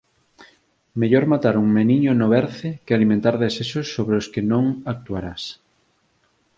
Mellor matar un meniño no berce que alimentar desexos sobre os que non actuarás.